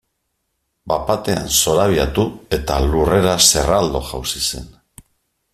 Bat batean zorabiatu eta lurrera zerraldo jausi zen.